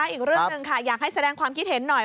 อีกเรื่องหนึ่งค่ะอยากให้แสดงความคิดเห็นหน่อย